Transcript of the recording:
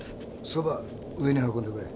そば上に運んでくれ。